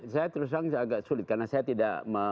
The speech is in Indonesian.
saya terus terang agak sulit karena saya tidak